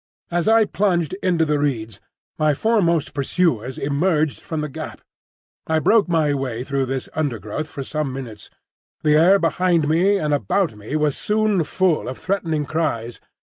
As I plunged into the reeds, my foremost pursuers emerged from the gap. I broke my way through this undergrowth for some minutes. The air behind me and about me was soon full of threatening cries.